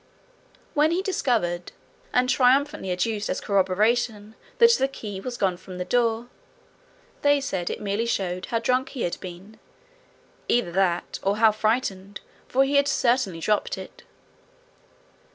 When he discovered, and triumphantly adduced as corroboration, that the key was gone from the door, they said it merely showed how drunk he had been either that or how frightened, for he had certainly dropped it.